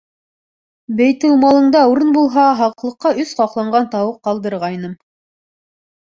— Бәйтелмалыңда урын булһа, һаҡлыҡҡа өс ҡаҡланған тауыҡ ҡалдырғайным...